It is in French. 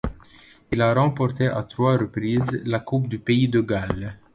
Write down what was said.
Il a remporté à trois reprises la Coupe du pays de Galles.